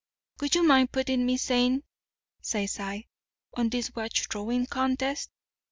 Would you mind putting me sane,' says I, 'on this watch throwing contest?